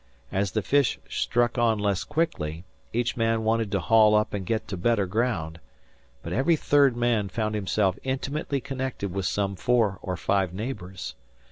As the fish struck on less quickly, each man wanted to haul up and get to better ground; but every third man found himself intimately connected with some four or five neighbours.